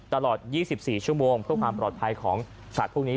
ตลอด๒๔ชั่วโมงเพื่อความปลอดภัยของสัตว์พวกนี้